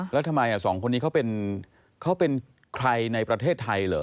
แล้วทำไมสองคนนี้เขาเป็นใครในประเทศไทยเหรอ